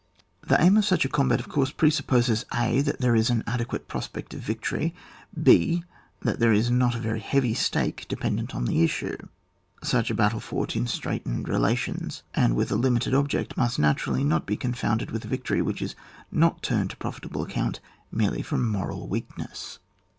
The aim of such a combat of course presupposes ; (a) that there is an adequate prospect of victory, (/3) that there is not a very heavy stake depen dent on the issue. — Such a battle fought in straitened relations, and with a limited object, must naturally not be confounded with a victory which is not turned to profitable account merely from moral weakness.